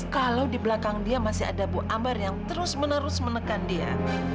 kalau di belakang dia masih ada bu ambar yang terus menerus menekan dia